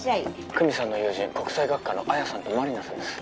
久実さんの友人国際学科の亜矢さんと真理奈さんです。